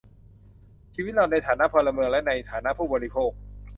ชีวิตเราในฐานะพลเมืองและในฐานะผู้บริโภค